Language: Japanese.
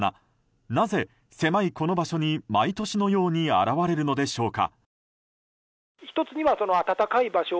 なぜ、狭いこの場所に毎年のように現れるのでしょうか。